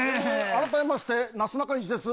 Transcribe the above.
あらためましてなすなかにしです